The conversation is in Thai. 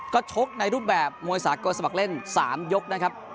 ก็ชกในรูปแบบมวยสากลสมัครเล่น๓ยกนะครับ